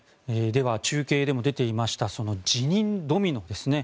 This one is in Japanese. では中継でも出ていました辞任ドミノですね。